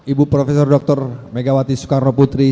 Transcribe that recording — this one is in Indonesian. ibu prof dr megawati soekarnoputri